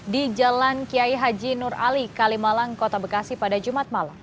di jalan kiai haji nur ali kalimalang kota bekasi pada jumat malam